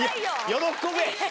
喜べ！